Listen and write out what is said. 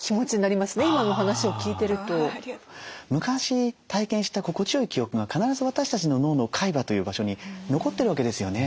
昔体験した心地よい記憶が必ず私たちの脳の海馬という場所に残ってるわけですよね。